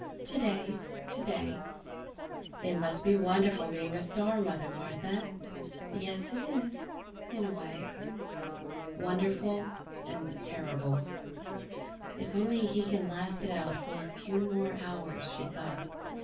("Today ... Today!") "It must be wonderful being a star mother, Martha." ("Yes, it is in a way.") Wonderful ... and terrible. If only he can last it out for a few more hours, she thought.